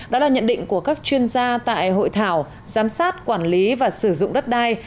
đó là nhận định của các chuyên gia tại hội thảo giám sát quản lý và sử dụng đất đai